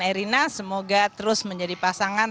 erina semoga terus menjadi pasangan